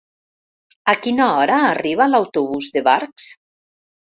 A quina hora arriba l'autobús de Barx?